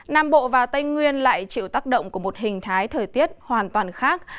nam bộ và tây nguyên lại chịu tác động của một hình thái thời tiết hoàn toàn khác